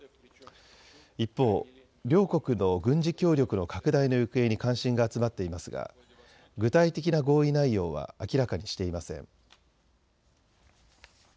一方、両国の軍事協力の拡大の行方に関心が集まっていますが具体的な合意内容は明らかにしていません。